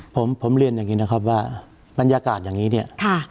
ผมผมเรียนอย่างนี้นะครับว่าบรรยากาศอย่างนี้เนี่ย